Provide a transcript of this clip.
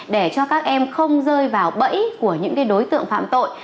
để cho các em không rơi vào bẫy của những đối tượng phạm tội